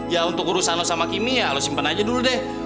ya untuk urusan lo sama kimi ya lo simpan aja dulu deh